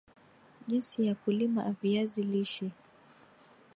Jinsi ya kulima aviazi lishe